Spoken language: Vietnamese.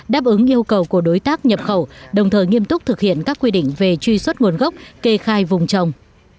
đáp ứng yêu cầu của đối tác nhập khẩu đồng thời nghiêm túc thực hiện các quy định về truy xuất nguồn gốc kê khai vùng trồng